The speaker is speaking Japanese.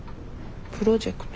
プロジェクト？